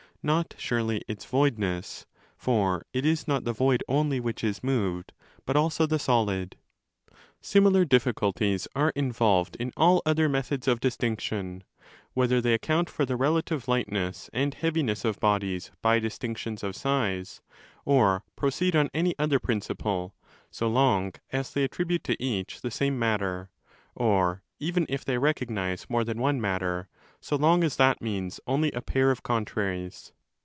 Not, surely, its voidness: for it is not the void only which is moved, but also the solid. | Similar difficulties are involved in all other methods of distinction, whether they account for the relative lightness 3° and heaviness of bodies by distinctions of size, or proceed on any other principle, so long as they attribute to each the same matter, or even if they recognize more than one matter, so long as that means only a pair of contraries.